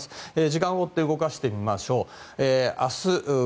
時間を追って動かしてみましょう。